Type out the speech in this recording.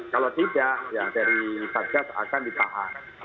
kalau tidak ya dari satgas akan ditahan